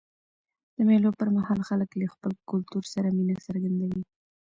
د مېلو پر مهال خلک له خپل کلتور سره مینه څرګندوي.